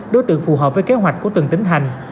đối tượng phù hợp với kế hoạch của từng tỉnh hành